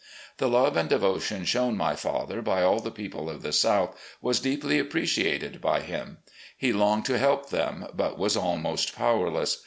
The love and devotion shown my father by all the peo ple of the South was deeply appreciated by him. He longed to help them, but was almost powerless.